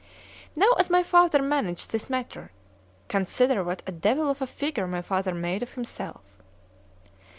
Now as my father managed this matter,—consider what a devil of a figure my father made of himself.